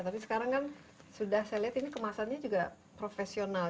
tapi sekarang kan sudah saya lihat ini kemasannya juga profesional